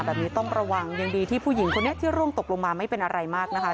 แบบนี้ต้องระวังยังดีที่ผู้หญิงคนนี้ที่ร่วงตกลงมาไม่เป็นอะไรมากนะคะ